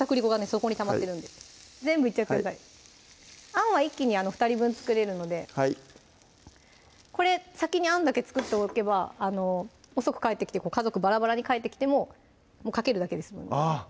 底にたまってるんで全部いっちゃってくださいあんは一気に２人分作れるのではいこれ先にあんだけ作っておけば遅く帰ってきて家族バラバラに帰ってきてももうかけるだけで済むんであぁ